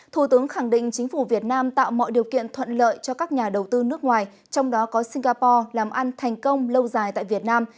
thủ tướng khẳng định chính phủ việt nam tạo mọi điều kiện thuận lợi cho các nhà đầu tư nước ngoài trong đó có singapore làm ăn thành công lâu dài tại việt nam